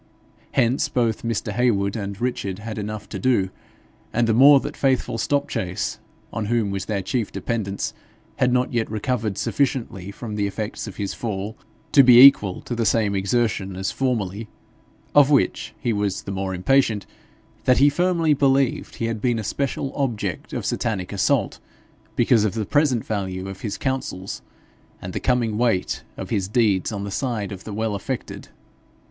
Hence both Mr. Heywood and Richard had enough to do, and the more that Faithful Stopchase, on whom was their chief dependence, had not yet recovered sufficiently from the effects of his fall to be equal to the same exertion as formerly of which he was the more impatient that he firmly believed he had been a special object of Satanic assault, because of the present value of his counsels, and the coming weight of his deeds on the side of the well affected.